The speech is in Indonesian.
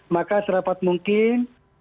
maka serapat mungkin